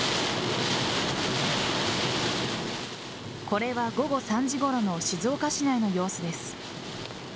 これは、午後３時ごろの静岡市内の様子です。